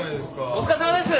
お疲れさまです。